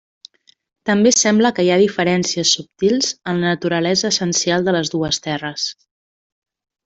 També sembla que hi ha diferències subtils en la naturalesa essencial de les dues terres.